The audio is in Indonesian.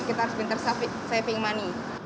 kita harus pinter saving money